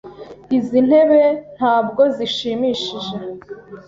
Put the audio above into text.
Izi ntebe ntabwo zishimishije.